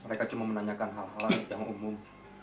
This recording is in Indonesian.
mereka cuma menanyakan hal hal yang umum